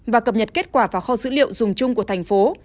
và cập nhật kết quả vào kho dữ liệu dùng chung của thành phố